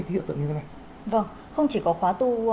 hiệu tượng như thế này vâng không chỉ có khóa tu